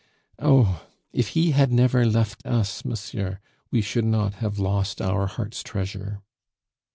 Oh, if he had never left us, monsieur, we should not have lost our heart's treasure."